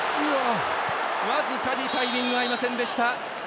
僅かにタイミングが合いませんでした！